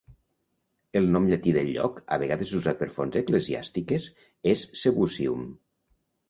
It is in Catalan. El nom llatí del lloc, a vegades usat per fons eclesiàstiques, és "Sebusium".